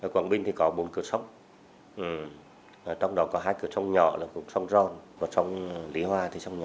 quảng bình có bốn cửa sóng trong đó có hai cửa sóng nhỏ là cửa sóng ron và sông lý hòa